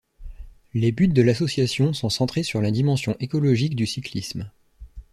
Les buts de l'association sont centrés sur la dimension écologique du cyclisme.